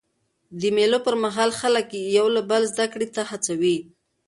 د مېلو پر مهال خلک یو له بله زدهکړي ته هڅوي.